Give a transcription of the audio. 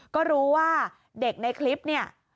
ก็รู้ว่าเด็กในคลิปเนี่ย